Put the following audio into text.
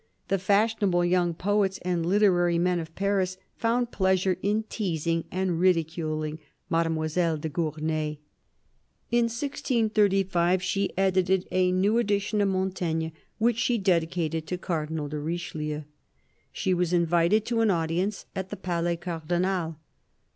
The fashionable young poets and literary men of Paris found pleasure in teasing and ridiculing Mademoiselle de Gournay. In 1635 she edited a new edition of Montaigne, which she dedicated to Cardinal de Richelieu. She was invited to an audience at the Palais Cardinal.